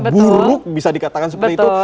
buruk bisa dikatakan seperti itu